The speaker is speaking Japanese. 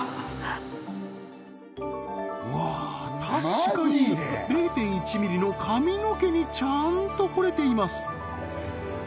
確かに０．１ｍｍの髪の毛にちゃんと彫れています